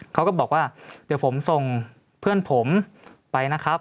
เขาก็บอกว่าเดี๋ยวผมส่งเพื่อนผมไปนะครับ